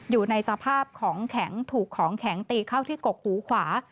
อยู่ในสภาพของแข็งถูกของแข็งตีเข้าที่กกหูขวา